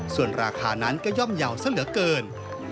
ส่วนราคานั้นก็ย่อมเยาว์ซะเหลือเกิน